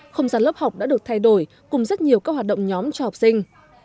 không gian lớp học đã được thay đổi cùng rất nhiều các hoạt động nhóm cho học sinh